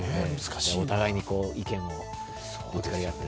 お互いに意見をぶつけ合って。